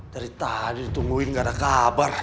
dari tadi ditungguin gak ada kabar